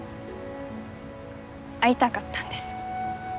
会いたかったんです。